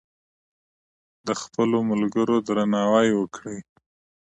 د خپلو ملګرو درناوی وکړئ.